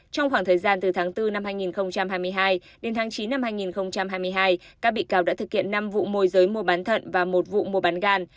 trong khoảng thời gian từ tháng bốn năm hai nghìn hai mươi hai đến tháng chín năm hai nghìn hai mươi hai các bị cáo đã thực hiện năm vụ môi giới mua bán thận và một vụ mua bán gan